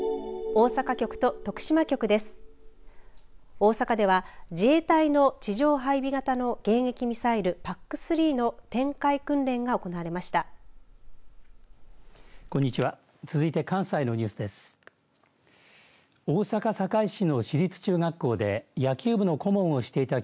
大阪では自衛隊の地上配備型の迎撃ミサイルＰＡＣ３の展開訓練が行われました。